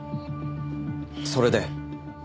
それで？